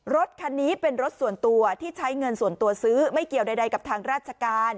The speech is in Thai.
รถคันนี้เป็นรถส่วนตัวที่ใช้เงินส่วนตัวซื้อไม่เกี่ยวใดกับทางราชการ